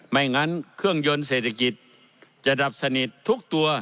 ไม่งั้นเครื่องยนต์เศรษฐกิจจะดับสนิททุกตัว